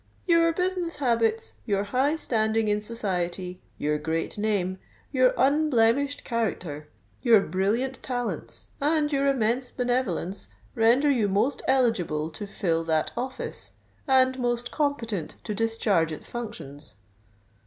'_Your business habits, your high standing in society, your great name, your unblemished character, your brilliant talents, and your immense benevolence, render you most eligible to fill that office, and most competent to discharge its functions.